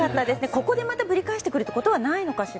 ここでまたぶり返してくることはないのかしら。